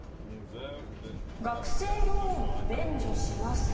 学生ローン、免除します。